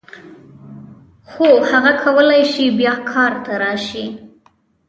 هو هغه کولای شي بیا کار ته راشي.